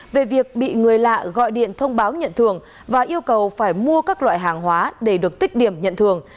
về việc bị người lạ gọi điện thông báo nhận thường và yêu cầu phải mua các loại hàng hóa để được tích điểm nhận thường